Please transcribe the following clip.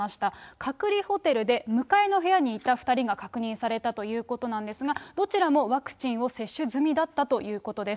隔離ホテルで、向かいの部屋にいた２人が確認されたということなんですが、どちらもワクチンを接種済みだったということです。